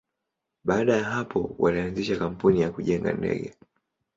Baada ya hapo, walianzisha kampuni ya kujenga ndege.